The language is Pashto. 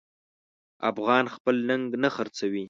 افغان خپل ننګ نه خرڅوي.